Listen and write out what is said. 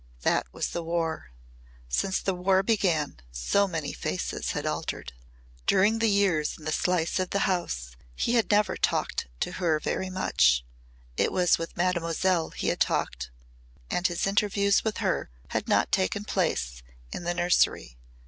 That was the War. Since the War began so many faces had altered. During the years in the slice of a house he had never talked to her very much. It was with Mademoiselle he had talked and his interviews with her had not taken place in the nursery.